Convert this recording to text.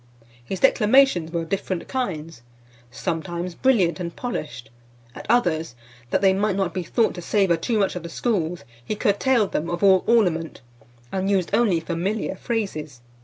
His declamations were of different kinds; sometimes brilliant and polished, at others, that they might not be thought to savour too much of the schools, he curtailed them of all ornament, and used only familiar phrases.